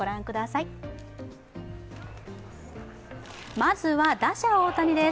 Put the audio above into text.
まずは、打者・大谷です。